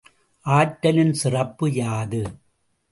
ஆற்றலின் சிறப்பு யாது?